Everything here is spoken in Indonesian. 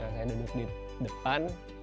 saya duduk di depan